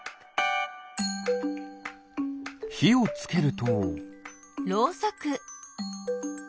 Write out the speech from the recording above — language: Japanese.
ひをつけると。